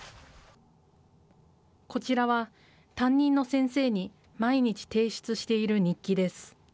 こちらは、担任の先生に毎日提出している日記です。